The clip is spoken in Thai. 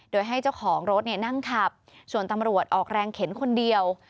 โดยให้เจ้าของรถนั่งขับส่วนตำรวจออกแรงเข็นคนเดียว